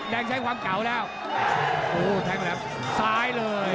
แดงใช้ความเก่าแล้วสายเลย